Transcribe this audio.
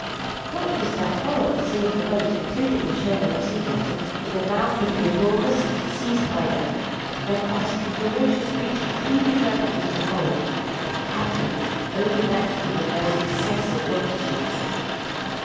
What was their horror on seeing the boat (including the churn and the tea kettle) in the mouth of an enormous Seeze Pyder, an aquatic and ferocious creature truly dreadful to behold, and, happily, only met with in those excessive longitudes!